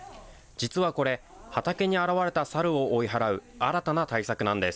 実はこれ、畑に現れたサルを追い払う新たな対策なんです。